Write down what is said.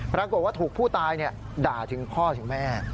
ปรากฏว่าถูกผู้ตายด่าถึงพ่อถึงแม่